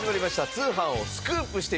『通販をスクープしてみた！！』。